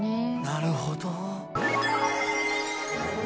なるほど。